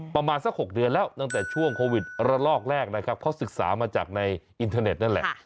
ประมาณสัก๖เดือนแล้วตั้งแต่ช่วงโควิดระลอกแรกนะครับเขาศึกษามาจากในอินเทอร์เน็ตนั่นแหละ